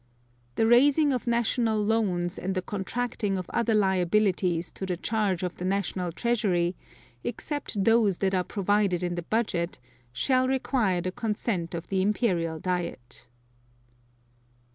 (3) The raising of national loans and the contracting of other liabilities to the charge of the National Treasury, except those that are provided in the Budget, shall require the consent of the Imperial Diet.